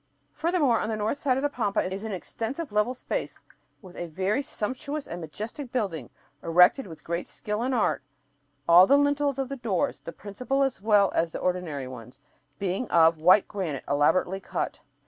Furthermore, on the north side of the pampa is an extensive level space with a very sumptuous and majestic building "erected with great skill and art, all the lintels of the doors, the principal as well as the ordinary ones," being of white granite elaborately cut.